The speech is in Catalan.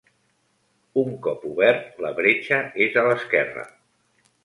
Un cop obert, la bretxa és a l'esquerra.